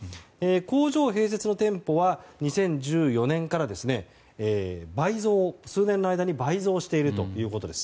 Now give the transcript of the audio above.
工場併設の店舗は２０１４年から数年の間に倍増しているということです。